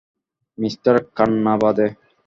Mister Khanna বাদে!